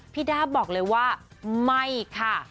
ด้าบอกเลยว่าไม่ค่ะ